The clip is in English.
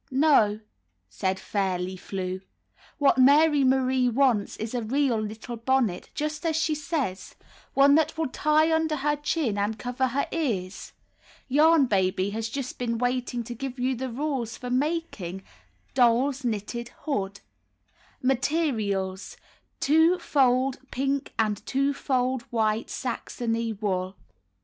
"No," said Fairly Flew, "what ^lary Marie wants is a real little bonnet, just as she says — one that will tie under her chin and cover her ears. Yarn Baby has just been waiting to give you the rules for making — Doll's Knitted Hood (See picture opposite page 230 — color plate) Materials: Two fokl pink and two fold white Saxony wool.